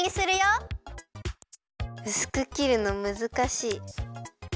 うすくきるのむずかしい。